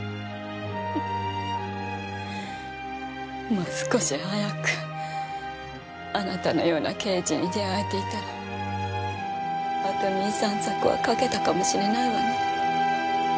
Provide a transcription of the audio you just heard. もう少し早くあなたのような刑事に出会えていたらあと２３作は書けたかもしれないわね。